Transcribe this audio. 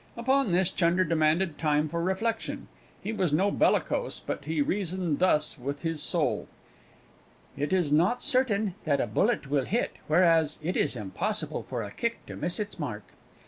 Upon this Chunder demanded time for reflection; he was no bellicose, but he reasoned thus with his soul: "It is not certain that a bullet will hit whereas, it is impossible for a kick to miss its mark."